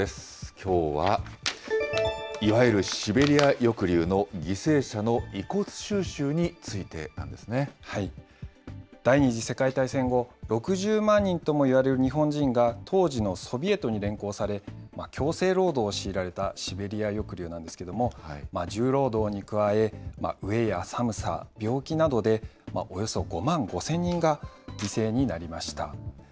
きょうはいわゆるシベリア抑留の犠牲者の遺骨収集についてなんで第２次世界大戦後、６０万人ともいわれる日本人が当時のソビエトに連行され、強制労働を強いられたシベリア抑留なんですけれども、重労働に加え、飢えや寒さ、病気などでおよそ５万５０００人が犠牲になりました。